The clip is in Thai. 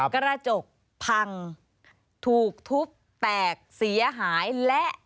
กระจกพังถูกทุบแตกเสียหายและ